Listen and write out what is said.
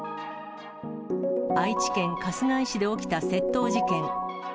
愛知県春日井市で起きた窃盗事件。